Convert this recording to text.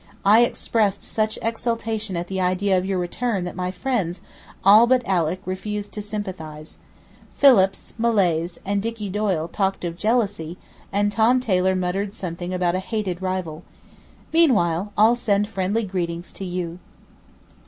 I expressed such exultation at the idea of your return that my friends, all but Alick, refused to sympathize. Philips, Millais, and Dicky Doyle talked of jealousy, and Tom Taylor muttered something about a "hated rival." Meanwhile, all send friendly greetings to you.